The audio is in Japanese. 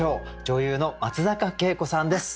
女優の松坂慶子さんです。